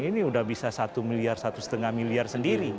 ini udah bisa satu miliar satu lima miliar sendiri